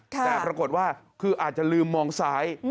แต่ปรากฏว่าคืออาจจะลืมมองซ้าย